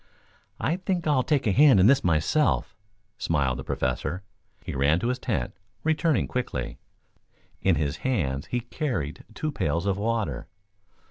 "I think I'll take a hand in this myself," smiled the Professor. He ran to his tent, returning quickly. In his hands he carried two pails of water.